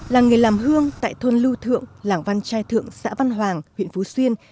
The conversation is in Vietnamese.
làng nghề làm hương tại thôn lưu thượng làng văn trai thượng xã văn hoàng huyện phú xuyên